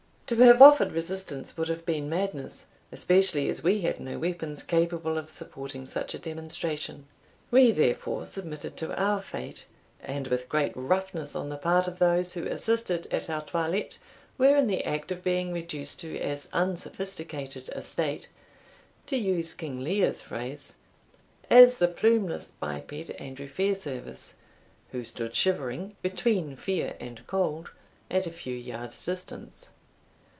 To have offered resistance would have been madness, especially as we had no weapons capable of supporting such a demonstration. We therefore submitted to our fate; and with great roughness on the part of those who assisted at our toilette, were in the act of being reduced to as unsophisticated a state (to use King Lear's phrase) as the plume less biped Andrew Fairservice, who stood shivering between fear and cold at a few yards' distance.